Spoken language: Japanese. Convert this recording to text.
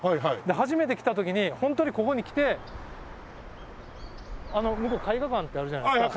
初めて来た時にホントにここに来てあの向こう絵画館ってあるじゃないですか。